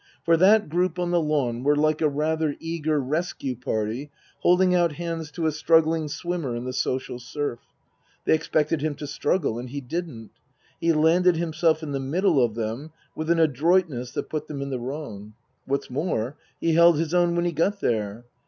For that group on the lawn were like a rather eager rescue party, holding out hands to a struggling swimmer in the social surf. They expected him to struggle and he didn't. He landed himself in the middle of them with an adroitness that put them in the wrong. What's more, he held his own when he got there.